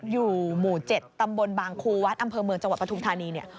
อยู่หมู่๗ตำบลบางครูวัดอำเภอเมืองจังหวัดปทุมธานีเนี่ย